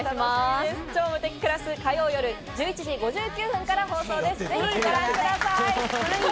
『超無敵クラス』は火曜夜１１時５９分から放送です。